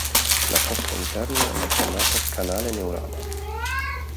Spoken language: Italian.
La fossa interna è chiamata canale neurale.